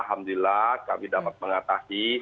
alhamdulillah kami dapat mengatasi